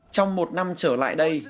trong một năm trở lại đây